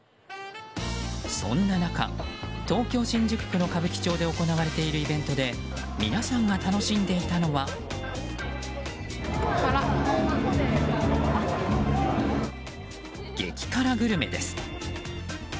そんな中、東京・新宿区の歌舞伎町で行われているイベントで皆さんが楽しんでいたのは激辛グルメです。